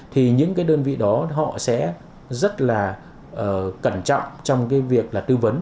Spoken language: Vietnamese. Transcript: thì những cái đơn vị đó họ sẽ rất là cẩn trọng trong cái việc là tư vấn